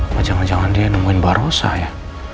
apa jangan jangan dia yang nemuin mbak rosa ya